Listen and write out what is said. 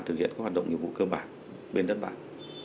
thực hiện các hoạt động nghiệp vụ cơ bản bên đất bản